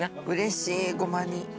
うれしいごまに。